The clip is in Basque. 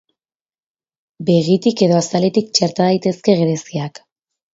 Begitik edo azaletik txerta daitezke gereziak.